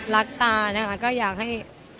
ตานะคะก็อยากให้